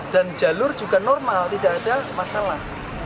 dan jalur juga normal tidak ada masalah